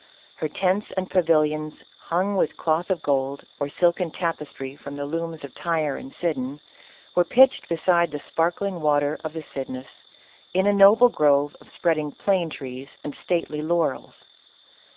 Her tents and pavilions, hung with cloth of gold, or silken tapestry from the looms of Tyre and Sidon, were pitched beside the sparkling waters of the Cydnus, in a noble grove of spreading plane trees and stately laurels.